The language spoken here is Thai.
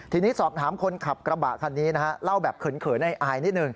ทีนี้สอบถามคนขับกระบะคันนี้นะฮะเล่าแบบเขินอายนิดหนึ่ง